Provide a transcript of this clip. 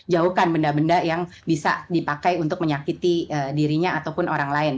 jauhkan benda benda yang bisa dipakai untuk menyakiti dirinya ataupun orang lain